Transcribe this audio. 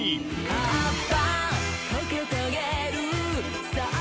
はっぱかけたげるさあ